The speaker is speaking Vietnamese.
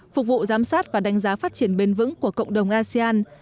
phục vụ giám sát và đánh giá phát triển bền vững của cộng đồng asean